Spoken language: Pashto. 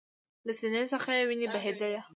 له سینې څخه یې ویني بهېدلې